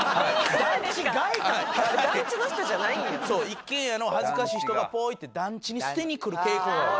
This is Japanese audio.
一軒家の恥ずかしい人がポイッて団地に捨てに来る傾向がある。